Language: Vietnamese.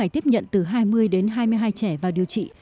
tiếp nhận từ hai mươi đến hai mươi hai trẻ vào điều trị